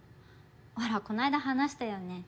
ほらこないだ話したよね？